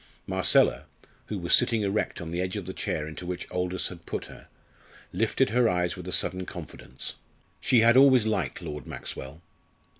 Marcella, who was sitting erect on the edge of the chair into which Aldous had put her, lifted her eyes with a sudden confidence. She had always liked Lord Maxwell.